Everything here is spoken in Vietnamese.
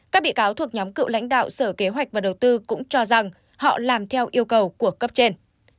các bị cáo thuộc nhóm cựu lãnh đạo sở kế hoạch và đầu tư cũng cho rằng họ làm theo yêu cầu của cấp trên